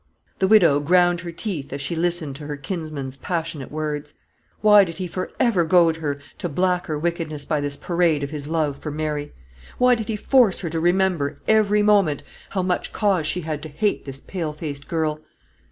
The widow ground her teeth as she listened to her kinsman's passionate words. Why did he for ever goad her to blacker wickedness by this parade of his love for Mary? Why did he force her to remember every moment how much cause she had to hate this pale faced girl?